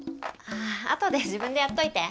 後で自分でやっといて。